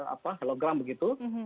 apa hologram begitu